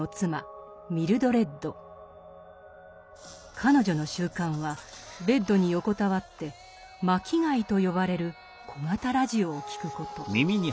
彼女の習慣はベッドに横たわって「巻貝」と呼ばれる小型ラジオを聴くこと。